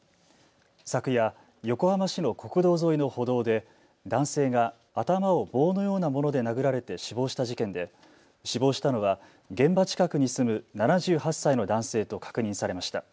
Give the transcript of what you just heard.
昨夜、横浜市の国道沿いの歩道で男性が頭を棒のようなもので殴られて死亡した事件で死亡したのは現場近くに住む７８歳の男性と確認されました。